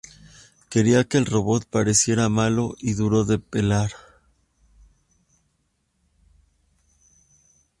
Quería que el robot pareciera malo y duro de pelar.